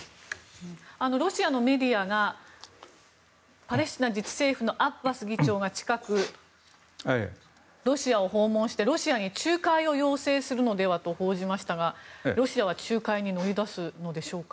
ロシアのメディアがパレスチナ自治政府のアッパス議長が近くロシアを訪問してロシアに仲介を要請するのではと報じましたがロシアは仲介に乗り出すのでしょうか。